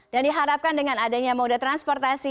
dan diharapkan dengan adanya mode transportasi